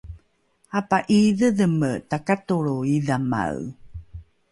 apa’iidhedheme takatolro idhamae